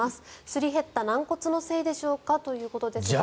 すり減った軟骨のせいでしょうかということですが。